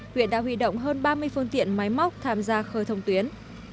huyện đã huy động hơn ba mươi phương tiện máy móc tham gia khơi thông tuyến